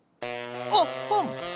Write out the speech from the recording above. おっほん。